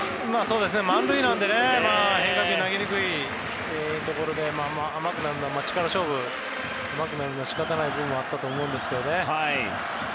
満塁なので変化球が投げにくいところで甘くなるのは仕方ない部分があったと思いますが。